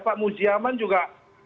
pak muji aman juga